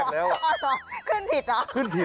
พอแล้วจนได้